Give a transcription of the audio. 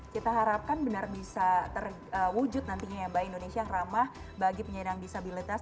kita harapkan benar bisa terwujud nantinya ya mbak indonesia yang ramah bagi penyandang disabilitas